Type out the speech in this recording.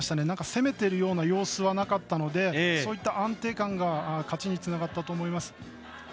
なんか、攻めてるような様子はなかったのでそういった安定感が勝ちにつながったと思います。